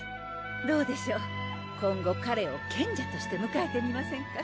どうでしょう今後彼を賢者としてむかえてみませんか？